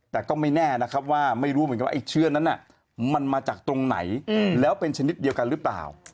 แต่ก็ไม่แน่นะครับว่าไม่รู้เหมือนกันว่าไอ้เชื้อนั้นมันมาจากตรงไหนแล้วเป็นชนิดเดียวกันหรือเปล่า